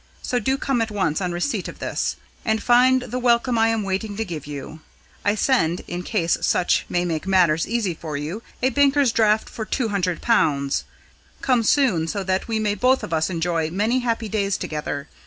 So do come at once on receipt of this, and find the welcome I am waiting to give you. I send, in case such may make matters easy for you, a banker's draft for 200 pounds. Come soon, so that we may both of us enjoy many happy days together.